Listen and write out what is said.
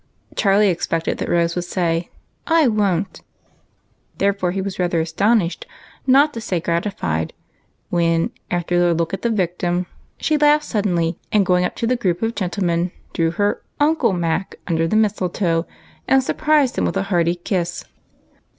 Charlie expected that Rose Avould say, " I won't !" therefore he was rather astonished, not to say grati fied, when, after a look at the victim, she laughed suddenly, and, going up to the group of gentlemen, drew her uncle Mac under the mistletoe and surprised him with a hearty kiss.